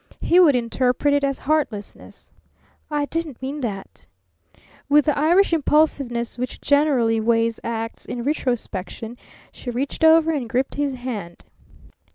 He would interpret it as heartlessness. "I didn't mean that!" With the Irish impulsiveness which generally weighs acts in retrospection, she reached over and gripped his hand.